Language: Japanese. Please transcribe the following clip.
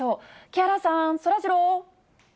木原さん、そらジロー。